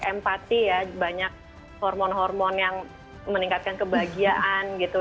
empati ya banyak hormon hormon yang meningkatkan kebahagiaan gitu